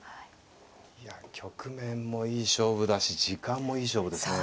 いや局面もいい勝負だし時間もいい勝負ですね。